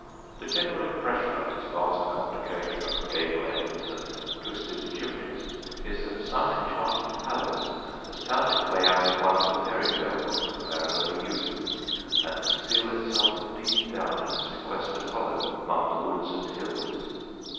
The general impression of its vast complication of gable ends and twisted chimneys is that some enchanted palace has found its way out of one of the fairy tale books of our early youth and concealed itself deep down in a sequestered hollow among the woods and hills.